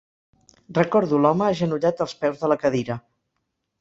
Recordo l'home agenollat als peus de la cadira.